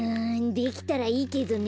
できたらいいけどね。